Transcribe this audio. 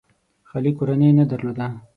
خالي کورنۍ نه درلوده.